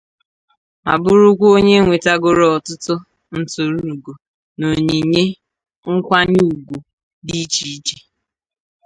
ma bụrụkwa onye nwetagoro ọtụtụ nturuugo na onyinye nkwanyeugwu dị iche iche.